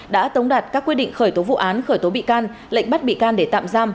đã tống đạt các quyết định khởi tố vụ án khởi tố bị can lệnh bắt bị can để tạm giam